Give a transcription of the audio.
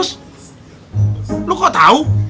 kau kok tau